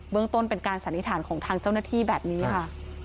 เรื่องต้นเป็นการสันนิษฐานของทางเจ้าหน้าที่แบบนี้ค่ะ